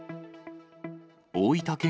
大分県